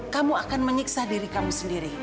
kamu akan menyiksa diri kamu sendiri